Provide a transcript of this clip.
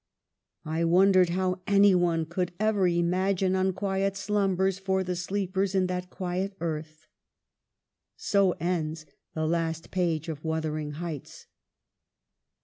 " I wondered how any one could ever imagine unquiet slumbers for the sleepers in that quiet earth." So ends the last page of 'Wuthering Heights.'